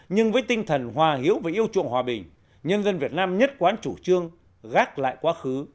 nhưng với tinh thần hòa hiếu và yêu chuộng hòa bình nhân dân việt nam nhất quán chủ trương gác lại quá khứ